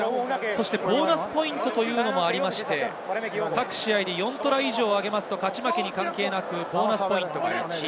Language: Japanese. ボーナスポイントというのもありまして、各試合４トライ以上を挙げると、勝ち負けに関係なくボーナスポイント１。